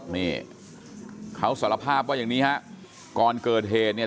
นี่เขาสารภาพว่าอย่างนี้ฮะก่อนเกิดเหตุเนี่ย